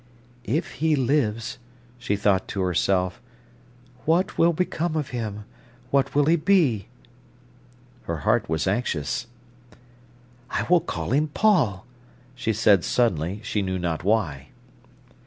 "If he lives," she thought to herself, "what will become of him—what will he be?" Her heart was anxious. "I will call him Paul," she said suddenly; she knew not why.